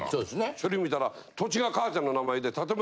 それ見たら。